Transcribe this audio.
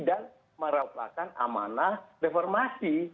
dan merupakan amanah reformasi